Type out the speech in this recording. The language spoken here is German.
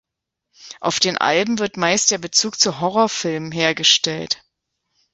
Auf den Alben wird meist der Bezug zu Horrorfilmen hergestellt.